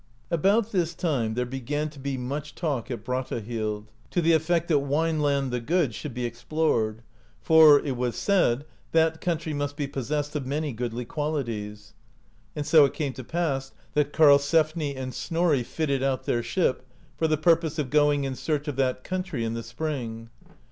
About this time there began to be much talk at Bratt ahlid, to the effect that Wineland the Good should be explored, for, it was said, that country must be pos sessed of many goodly qualities. And so it came to pass, that Karlsefni and Snorri fitted out their ship, for the purpose of going in search of that country in the spring.